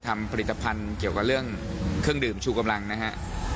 ผลิตภัณฑ์เกี่ยวกับเรื่องเครื่องดื่มชูกำลังนะฮะ